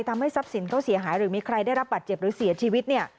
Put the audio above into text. ทำให้ทรัพย์สินเขาเสียหายหรือมีใครได้รับบัตรเจ็บหรือเสียชีวิตเนี่ย